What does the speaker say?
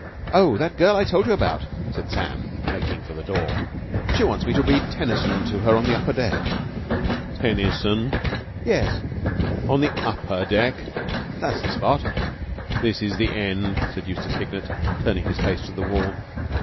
"Oh, that girl I told you about," said Sam making for the door. "She wants me to read Tennyson to her on the upper deck." "Tennyson?" "Yes." "On the upper deck?" "That's the spot." "This is the end," said Eustace Hignett, turning his face to the wall.